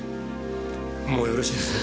もうよろしいですね。